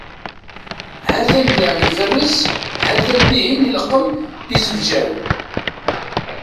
Ha-t-an da iferres, ha-t-an dihin ileqqem iẓebbjan.